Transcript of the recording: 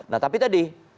nah tapi tadi